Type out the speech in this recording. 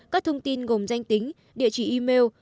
các thông tin gồm danh tính địa chỉ email